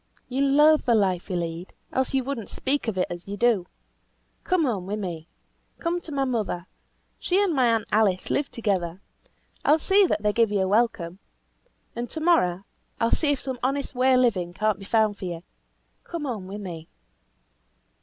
you loathe the life you lead, else you would not speak of it as you do. Come home with me. Come to my mother. She and my aunt Alice live together. I will see that they give you a welcome. And to morrow I will see if some honest way of living cannot be found for you. Come home with me."